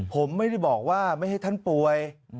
ผมไม่ได้บอกว่าไม่ให้ท่านป่วย